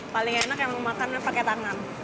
maling enak yang mau makan adalah pakai tangan